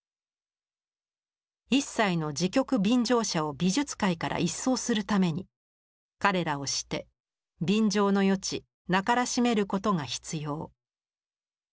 「一切の時局便乗者を美術界から一掃するために彼等をして便乗の余地なからしめることが必要」。